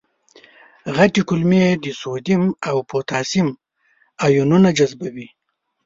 غټې کولمې د سودیم او پتاشیم آیونونه جذبوي.